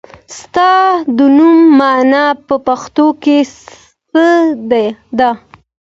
ستا د نوم مانا په پښتو کې څه ده ؟